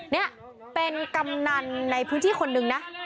นี่เป็นกำนันในพื้นที่คนนึงนะ